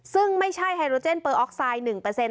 ซึ่งไม่ใช่ไฮโรเจนเปอร์ออกไซด์๑